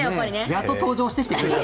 やっと登場してきてくれた。